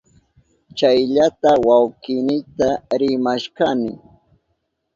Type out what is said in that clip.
Chayllata wawkiynita rimashkani.